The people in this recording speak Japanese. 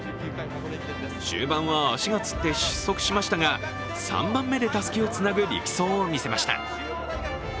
中盤は足がつって失速しましたが、３番目でたすきをつなぐ力走を見せました。